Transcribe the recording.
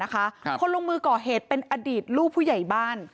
คนลงมือก่อเหตุเป็นอดีตลูกผู้ใหญ่บ้าน